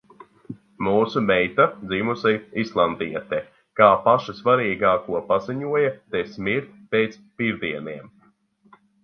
Mūsu meita, dzimusi islandiete, kā pašu svarīgāko paziņoja: te smird pēc pirdieniem.